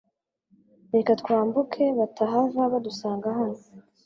Reka twambuke batahava badusanga hano .